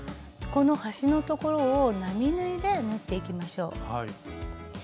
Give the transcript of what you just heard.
この端の所を並縫いで縫っていきましょう。